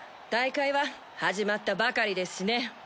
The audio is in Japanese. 大会は始まったばかりですしね。